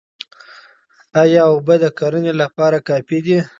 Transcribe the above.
ايا اوبه د کرني لپاره کافي دي؟